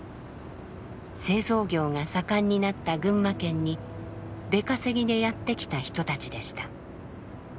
製造業が盛んになった群馬県に出稼ぎでやって来た人たちでした。